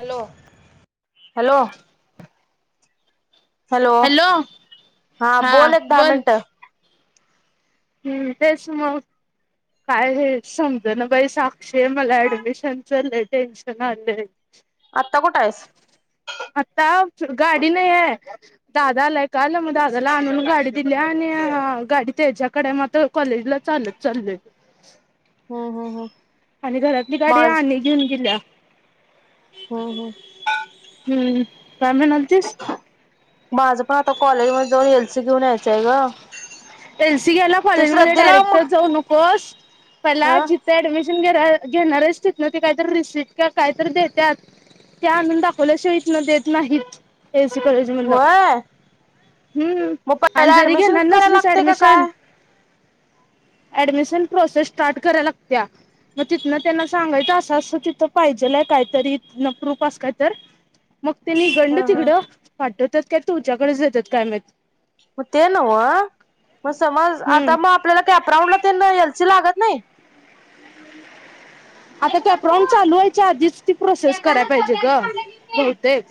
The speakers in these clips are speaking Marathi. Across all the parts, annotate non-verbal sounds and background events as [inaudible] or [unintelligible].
हॅलो हॅलो हॅलो हा बोल एक दहा मिनट हम्म तेचं मग काय हे समज ना बाई साक्षी आहे मला ऍडमिशनचं लई टेन्शन आलंय. आत्ता कुठं आहेस? आता गाडी नाही आहे दादा आलाय काल मग दादाला आणून गाडी दिली आणि गाडी त्याच्याकडे मग आता कॉलेजला चालत चाललोय. हम्म हम्म हम्म [inaudible] आणि घरातली गाडी माझ आणि घेऊन गेल्या. हम्म हम् हम्म काय म्हणालतीस माझं पण आता कॉलेज मध्ये जाऊन येल -सी घेऊन यायचंय गं एल सी घ्यायला कॉलेज मध्ये डायरेक्ट मग जाऊ नकोस ह पहिला जिथ ऍडमिशन घेणार आहेस तिथंन काहीतरी रिसिट काहीतरी देतात ते आणून दाखवल्याशिवाय इथन देत नाहीत. ए एस सी कॉलेज मधनं होय हम्म मग आणि पहिला जरी ऍडमिशन घेणार कराय नसलीस लाग ऍडमिशन ऍडमिशन प्रोसेस स्टार्ट कराय लागत्या मग तिथन त्यांना सांगायचं अस असं तिथ पाहिजेलय कायतरी प्रूफ अस काय तर- मग तेनी इकडन ह ह तिकडं पाठत- काय तुझ्याकडेच येतात काय माहित? म ते नव्ह- म समज हम्म आता म आपल्याला कॅप राऊंडला तेन एल सी लागत- नाही. आता, कॅप राऊंड चालू व्हायच्या आधीच ती प्रोसेस करायला पाहिजे ग? बहुतेक-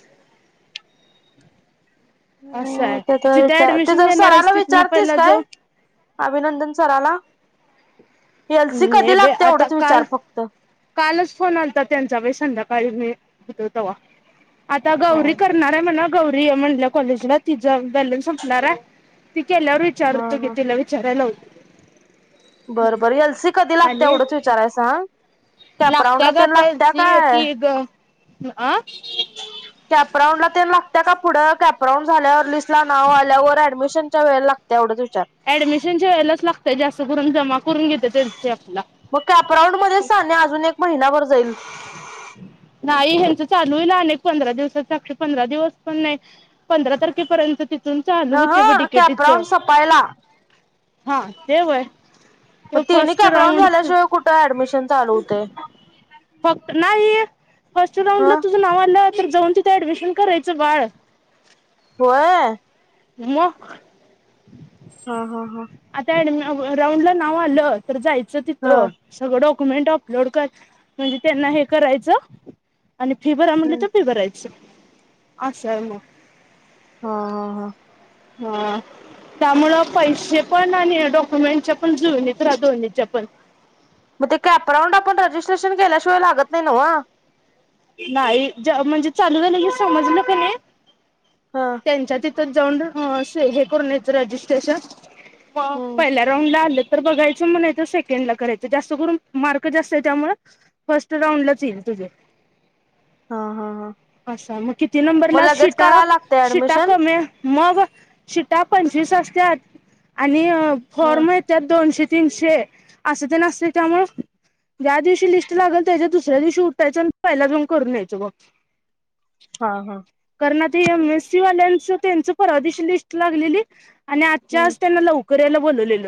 असं हम् आहे -ते तर जिथे विचार ऍडमिशन तिथं घेणार सराला आहेस तिथनं विचारतेस पहिला काय? अभिनंदन सराला? एल सी जाऊन हे कधी बे लागतय? आता एवढंच काल विचार फक्त- कालच फोन आलता त्यांचा बाई संध्याकाळी व्हीत, हुतो तवा. आता ह गौरी करणार हाय म्हण- गौरी ए म्हणलीया कॉलेजला ति जॉईन [unintelligible] संपणार आहे गेल्यावर ह विचार तो की ह तीला विचारायला लावू? बरं बर एल सी कधी लागतेय आणि एवढंच विचारायला सांग- लागत्या कॅपराऊंडला ग ते आता एल लागत्या सी काय ती [unintelligible] अं? कॅप राऊंडला तेन लागतया का पुढं? कॅपराऊंड झाल्यावर लिस्ट ला नाव आल्यावर ॲडमिशनच्या वेळेला लागतया एवढंच विचा- ॲडमिशनच्या वेळेलाच लागतय जास्त करून जमा- करून घेते त्यांचे आपला मग कॉप राउंडमध्ये सानिया अजून एक महिनाभर- जाईल नाही ह्याची - चालू होइल आणि एक पंधरा दिवसात [unintelligible] अशे पंधरा दिवस पण नाही पंधरा तारखेपर्यंत- तिथून चालू ह होते ब ह. डिकेटीच कॅपराउंड सपायला. हा ते व्हय? मग तिनी कॅप राऊंड झाल्याशिवाय कुठे ॲडमिशन चालू होतय? फक्त नाही. फर्स्ट राऊंड ला तुझ नाव आल? तर जाऊन तिथ ॲडमिशन करायचं बाळ- व्हय. [unintelligible] हां हां हां. व राऊंड ला नाव आलं तर जायचं- च तिथ हा सगळं - क्युमेंट अपलोड कर म्हणजे त्यांना हे करायचं.? आणि फी भरा म्हटले हा तर फी भरायच. अस आय मग हा हा हा. हा त्यामुळं पैशे पण आणि डॉक्युमेंटच पण जुळनीत ऱ्हा, दोन्हीच्या पण म ते कॅपराऊंड आपण रजिस्ट्रेशन केल्याशिवाय लागत नाही न्हव? नाही ज म्हणजे चालू झालं की समजलं कनी हा त्यांच्या ती तर जाऊन ह, से हे करून यायचं रजिस्ट्रेशन [unintelligible] हम्म पयल्या राऊंडला आल तर बघायचं म, नाही तर सेकंड ला करायच, जास्त करून मार्क जास्त आहे त्यामुळ फर्स्ट राऊंडलाच ईल तुझ हा हा हा अशा म किती मग नंबरला लगेच शिटा, करायला लागतंय शिटा ऍडमिशन कमी मग शिटा पंचवीस असत्यात आणि अ हा फॉर्म येत्यात दोनशे तीनशे आस तेन असतंय, त्यामुळ ज्या दिवशी लिस्ट लागल त्याच्या दुसऱ्या दिवशी उठायचन पयला जाऊन करून यायच ग हा हा. [unintelligible] ना एम एस सी वाल्यांच तेंच परवा दिवशी लिस्ट लागलेली. आणि आजच्या हम्म आज त्यांना लव करायला बोलवलेल.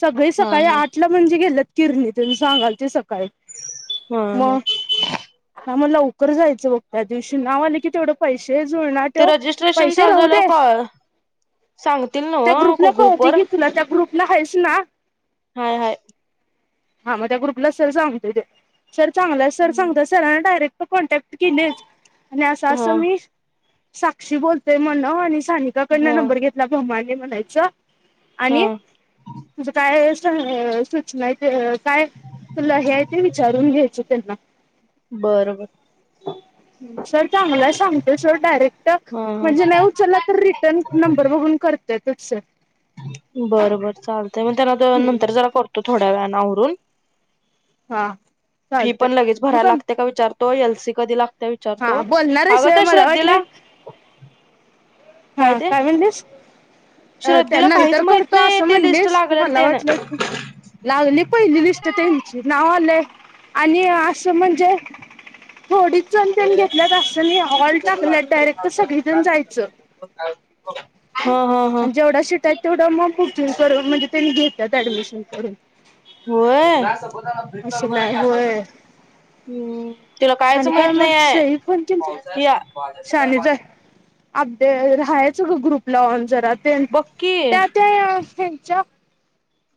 सगळी हा सकाळी हा आठ ला म्हणजे गेल्यात किरणी तेन सांगालती सक ह ह. हा मग लवकर जायचं बघ त्यादिवशी, नाव आल की तेवढं पैशे ते जुळणा ते ठेव, रजिस्ट्रेशन पैसे चालू झाल्यावर राहुदे, कॉल सांगतील त्या नव्ह ग्रुपला ग्रुप कळतय वर कि तुला, त्या ग्रुपला हाइस. [unintelligible] ना हाय हाय. हा म त्या ग्रुपला सर सांगतोय त्यो सर चांगलाय सर सांगत्यास डायरेक्ट कॉन्टॅक्ट केलीस. आणि आस आस हा मी साक्षी बोलतोय म्हणव आणि स सानिका कडनं हा नंबर घेतलाय [unintelligible] हे म्हणायचं. हा आणि तुझ काय एस [unintelligible] सूचनाय [unintelligible] काय, तुला हे आय ते विचारून घ्यायचं तेंना बर बर सर चांगला सांगत सर डायरेक्ट हा हा म्हणजे नाही उचलला तर रिटर्न नंबर बघून कर त्यातचय बर बर चालतंय मग त्यांला नंतर जरा बघतो थोड्या वेळाने आवरूण हा फी चालतय पण लगेच ठेवू भरायला मग लागते का विचार? तो एलसी कधी लागते हा विचारतो बोलणार आग आहेस व्हय त्या मला श्रद्धेला वाटलं हा काय म्हणाली अ श्रद्धेला काहीच त्यानंतर माहित करतो नाही असं ते लिस्ट म्हणालीस लागलेल मला ते ना वाटलं लागली पहिली लिस्ट त्यांची नाव आलंय आणि असं म्हणजे थोडीच जण त्यांण घेतल्यात असं ऑल टाकल्यात डायरेक्ट तर सगळीजण जायचं. हा हा हा. आणि जेवढ्या सीट तेवढं मग बुकिंग करून म्हणजे त्यांनी घेतात ऍडमिशन करून फज असं नाही चाल् होय तिला कायच आणि काय माहित मग नाही सई पण त्यांची आहेळ्या [unintelligible] ते राहायचं ग ग्रुपला ऑन जरा बक्की त्या ते च्या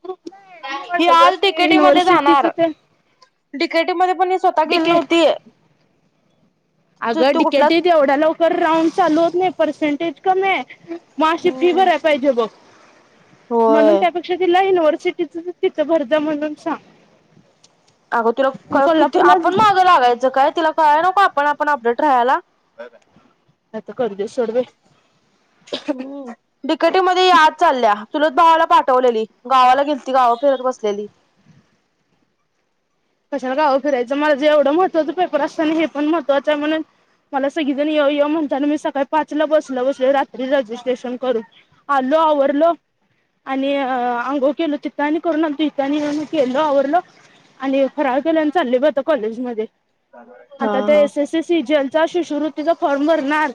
ग्रुप मी निवडतो ग आज डीकेटीई मध्ये युनिव्हर्सिटीच जाणार ते डीकेटीई मध्ये पण ही स्वतः गेली डीके नव्हती. अगं तू कुठला डिकेटीत एवढ्या लवकर राऊंड चालू होत नाही. परसेंटेज कमी आहे. मग अशी फी भरायला पाहिजे बघ. म्हणून होय त्यापेक्षा दिला आहे न सिटीच तिथं भरदा म्हणून सांग. अगं तुला कि कोल्हापूरलाच आपण मागं लागायचं काय तिला कळय नक आपण आप अपडेट राहाला. काय तरी करुदे सोड बाई. हम्म डीकेटीई मध्ये ही आज चालल्या. तुलत भावाला पाठवलेली गावाला गेल त गाव फिरत बसलेली. कशाला गाव फिरायचं माझ एवढं महत्त्वाच पेपर असतना हे पण महत्वाचं आहे म्हणून मला सगळीजण ये ये म्हणताना मी सकाळी पाच ला बस ला बसलोय रात्री रजिस्ट्रेशन करून आलो आवरलो आणि अंघोळ केलो तिथं आणि करून आणतो इिथं आणि येऊन केलो आवरल. फराळ केलोय चालले ब आता कॉलेज मध्ये हा आता ते हा एस एसी सीजीएलचा शिशवृत्तीचा फॉर्म भरणार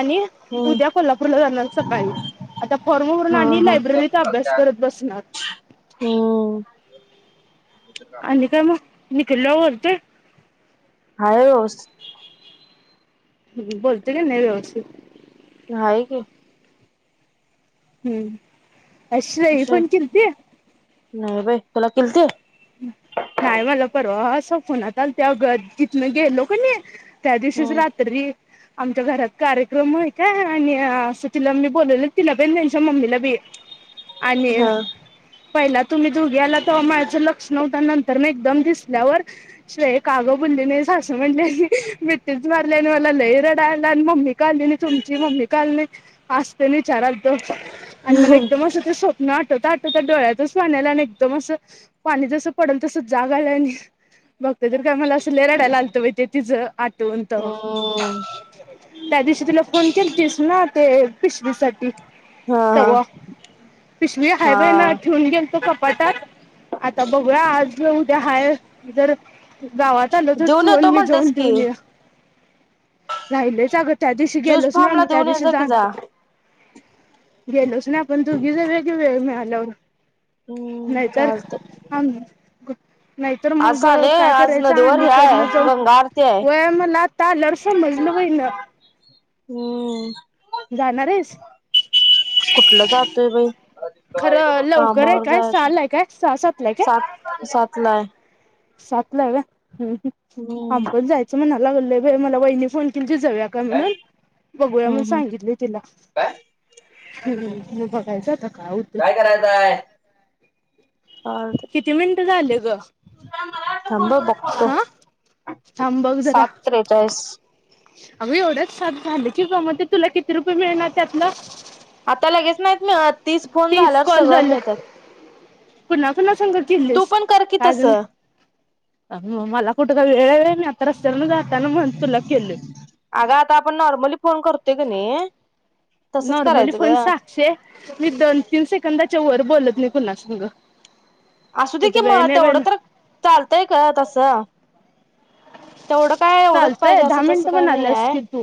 आणि हम्म उद्या कोल्हापूरला जाणार सकाळी आता फॉर्म भरून हा आणि लायब्ररीचा अभ्यास हा करत बसणार. का आपला निकल्या बोलतोय. हाय व्यवस्थित ह बोलतोय का नाय व्यवस्थित? नाही की. हम्म. काय श्रेयी फोन केलती? नाही बाई तुला केलती? नाही मला परवा पुण्यात आलती अगं तिथन गेलो का नाय त्या दिवशीच हम्म रात्री आमच्या घरात कार्यक्रम आहे का आणि असं तिला मी बोलवलं तिला पण त्यांच्या मम्मीला भी. आणि. हा पहिला तुम्ही दोघी आला तवा माझं लक्ष लक्ष नव्हतं नंतर न एकदम दिसल्यावर श्रेय काग बुली नयस असं म्हणली मिठीच मारली आणि मला लई रडायला आल आणि मम्मी का आली तुमची मम्मी का आली नय आस विचारतो आणि मला हम्म एकदम असं स्व नाटत आटत डोळ्यातच पानी आल आणि एकदम असं पाणी जसं पडेल तसं जाग आलं आणि बघत तर काय मला असं लई रडायला अलत बाई ते तिचं आ [unintelligible] त्या दिवशी तुला फोन केल तीस ना ते पिशवी साठी हा हा तव्हा पिशवी हाय हा बई ना ठेवून गेल तो पापा पटक. आता बघू आज उद्या हाय जर गावात आलो तर देऊन तू आणि येतो मी जाऊन म्हटलंस की देऊन येऊ या. राहिलेच अग ज्यूस फ्मला देऊन येजा की जा. गेलोच नाय आपण दुघी जऊया की वेळ मिळाल्यावर. हम्म चालतय. हां म, क नाहीतर मग साने काय आज करायचं नदीवर हे आहे आनीकडनं जाऊन, गंगा आरती आहे वय मला आता आल्या वर समजलं बई ना. हम्म. जाणारेस. कुठलं जातोय बाई खरं लवकर आहे कामावर काय जायच सहाला आहे काय सहा सातला आहे काय सात सात ला आहे. सातला हाय होय. हम् हम, हम्म आम्ही पण जायचं म्ह लागले बई मला वहिनी फोन केलती. जाऊया का म्हणून, बघूया हम्म म्हणून हम्म सांगितलय तिला. हम् बघायचं आता. काय करायचय? हा ते. झालं ग थांब हा बक्त थांब बघ जरा सात त्रेचाळीस अगं एवढंच साथ झाले की जम ते तुला किती रुपये मिळणार त्यातलं आता लगेच नाही तीच फोन झाल्यावर सगळं मिळतात पुुना फना तू शंकरिल्लीस पण कर की काज नाही तसं म मला कुठ का वेळ वेळ मी आता रस्त्यावर जातना म्हण तुला केल अगं आता आपण नॉर्मली फोन करतोय का नाही तसंच नॉर्मली करायचं ग पण साक्षे मी दोन तीन सेकंदाच्या वर बोलत पुन्हा सग असू दे की मग तेवढं तर चालतय ग तस तेवढं काय एवढंच चालतंय पाहिजे दहा असं तस मिनिटं काय नाही म्हणाल्यास आहे की तू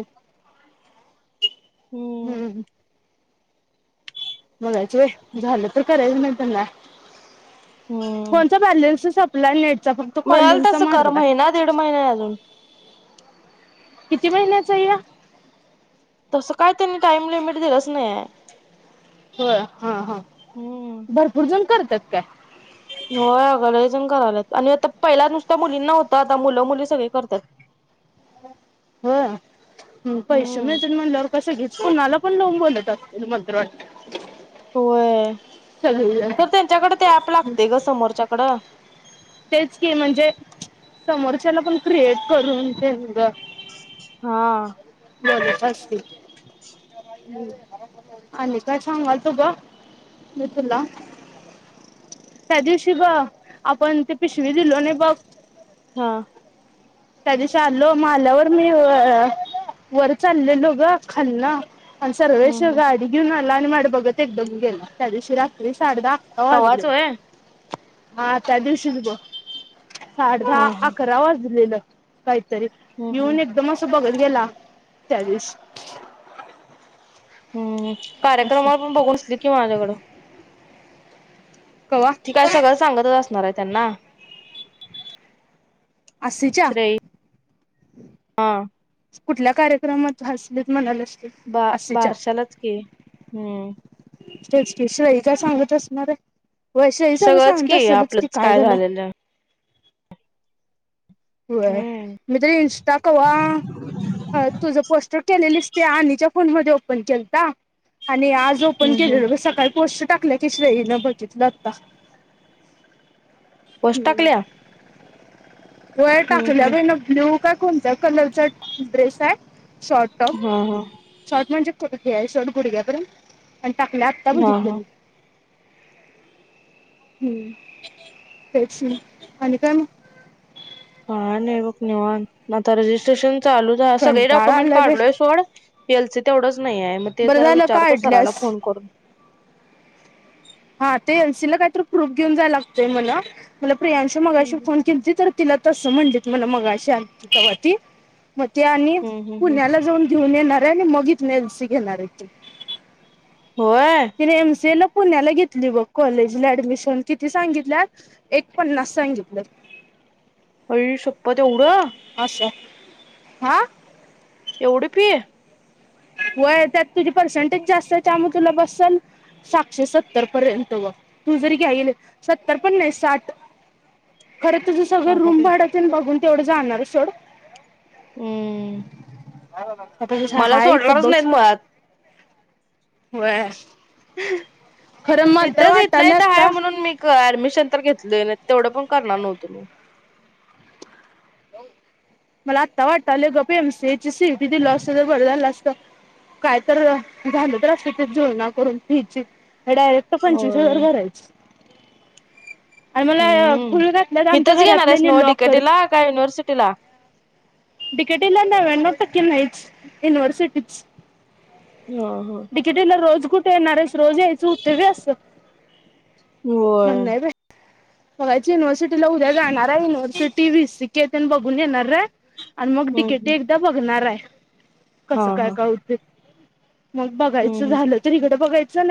हम्म बघायच झालं तर करायच नाहीतर नाही हम्म कोणता बॅलेन्स ल मिळेल तसं कर महिना दीड महिना अजून किती महिन्याचाय ह्य तसं काय त्यांनी टाइम लिमिट दिलंच नाही आहे हो हा हा हम्म भरपूर जण करत तक होय अगं लईजण करायल्यात आणि आता पहिला नुसत मुलींना होत आता मुलं मुली सगळे करतात हो पैसे हम्म मिळतात म्हणल्यावर कसे घेच कणाला पण लोन बोल त मंत्र वा होय तर त्यांच्याकडे ते ऍप लागते ग समोरच्याकड तेच की म्हणजे समोरच्याला पण क्रिएट करून ते हा मग असतय हा आणि काय सांगालतो ग मी तुला त्या दिवशी ग आपण ते पिशवी दिलो नाही बघ हा त्या दिशी आलो मग आल्यावर मी वर चाललेलो ग खालन आणि हम्म सर्वेश हम्म गाडी घेउन्ह [inaudible] त्या दिवशी रात्री साडे दहा अकरा वाजले तवाच होय हा त्या दिवशीच बघ साडे दहा हा हम्म अकरा वाजले काहीतरी हम्म येऊन एकदम असं बघत गेला त्यादिवशी हम्म्म. कार्यक्रमाला पण बघून हसली की माझ्याकडं. कवा ती काय सगळं सांगतच आस नार हाय त्यांना आसीच्या श्रेय हा. कुठल्या कार्यक्रमात हसलीत म्हणालीस? बा बारशालाच की हम्म. [unintelligible] काय सांगत असणारे? वैशाली सगळ सगळंच सांगत असलंच की आपलंच काय झालं झालेलं वय हम्म मी तर इंस्टा कवा तुझं पोस्टर केलेलीस ते आनीच्या फोन मध्ये [unintelligible] आणि आज ओपण हम्म हम्म केलेलं ग सकाळी पोस्ट टाकल्या की श्रेयी न बघितलं आता. पोस्ट टाकल्या? वय हम्म टाकल्या हम्म बाईना ब्लू का काय कोणत्या कलरचा ड्रेस हाय? Short top. हा हा शॉर्ट म्हणजे? [unintelligible] घ्याय शर्ट गुढग्यापर्यंत आणि टाकल्या आत्ता हा बघितल हा मी. हम्म तेच आणि काय मग? हा नय बग निवांत आत्ता रेजिस्ट्रेशन चालू च सगळे कंटाळा डॉक्युमेंट आलाय बाई काढलोय सोड. एल सी च तेवढंच नाही आहे मग ते बरं जरा झालं विचारतो सराला काढल्यास. फोन करून. हा ते एलसीला काहीतरी प्रूफ घेऊन जाय लागतंय म्हण मला प्रियांशू मगाशी हम्म फोन केली तर तिला तसं म्हणलीत म्हण मगाशी आलती तवा ती मग ते आणि हम्म हम्म पुण्याला जाऊन घेऊन येणार आहे आणि मग ही एल सी घेणारे ती. होय तिने एमसीए ला पुण्याला घेतली बग कॉलेजला ऍडमिशन किती सांगितल्या एक पन्नास सांगितल. अई शप्पत एवढं अशा हा. एवढी फी. व्हय त्यात तुझी पर्सेंटेज जास्त आहे त्यामुळे तुला बससेल सातशे सत्तर पर्यंत व तू जरी घ्याईल सत्तर पण नाही साठ. खरं तुझं सगळं अगं रूम बाई भाडं तेन बघुन. तेवढं जाणारच सोड. हम्म. आता तस मला हायत सोडणारच बग. नाहीत मुळात. व्हय. खरं मला तर इथच इथल्या वाटालय इथं हाय आता म्हणून मी ॲडमिशन. ते तर घेतलोय नाहीतर तेवढं पण करणार नव्हतो मी. मला आत्ता वाटालय गप मी एमसीएची सीइटी दिलो असत तर बरं झालं असत काय तर झालतर ते जूळना करून फिची. डायरेक्ट पंचवीस हजार होय. भरायच. हम्म खुळ घातल्यात आमच्या इथंच घेणार आहेस घरातल्यानी नव डी के लॉकर टी ला का युनिव्हर्सिटीला. डिकेटला ना नव्यानऊ टके नाईच युनिवर्सिटीच. हा हा. डी के टी ला रोज कुट येणार आहेस रोज यायचं उते व्यय असं होय. बागायच युनवर्सिटीला उद्या जाणार आहे. युनिव्हर्सिटी वी सी के तेन बघूनन येणार हाय. आणि मग हम्म हम्म डीकेटीई एकदा बघणार आहे. हा कसं काय हा का हुतय. मग हम्म बघायचं हम्म. झालं तर इिकडं बघायचं. चले.